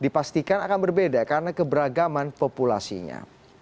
dipastikan akan berbeda karena keberagaman populasinya